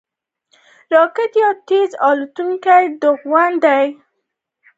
راکټ یو تېز الوتونکی توغندی دی